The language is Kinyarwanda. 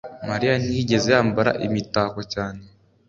mariya ntiyigeze yambara imitako cyane